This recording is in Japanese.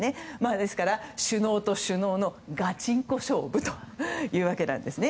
ですから、首脳と首脳のガチンコ勝負というわけなんですね。